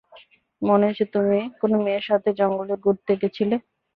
মনে হচ্ছে তুমি কোনো মেয়ের সাথে জঙ্গলে ঘুরতে গেছিলে?